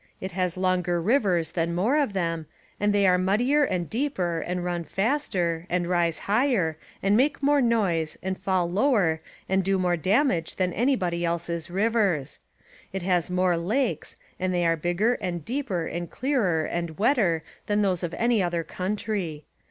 It has longer rivers and inore of them, and they are muddier and deeper and run faster, and rise higher and make more noise and fall lower and do more damage than anybody else's rivers. It has more lakes and they are bigger and deeper and clearer and wetter than those of any other country.